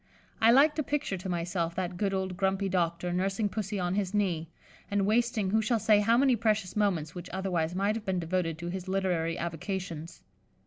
I like to picture to myself that good old grumpy doctor nursing Pussy on his knee, and wasting who shall say how many precious moments which otherwise might have been devoted to his literary avocations.